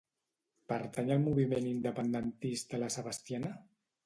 Pertany al moviment independentista la Sebastiana?